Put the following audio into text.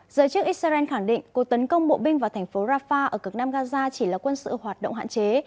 giới chức israel khẳng định cuộc tấn công bộ binh vào thành phố rafah ở cực nam gaza chỉ là quân sự hoạt động hạn chế